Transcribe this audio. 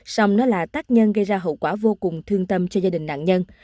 xong nó là tác nhân gây ra hậu quả vô cùng thương tâm cho gia đình nạn nhân